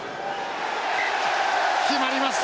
決まりました！